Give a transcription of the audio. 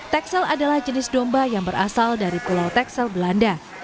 tekstil adalah jenis domba yang berasal dari pulau texel belanda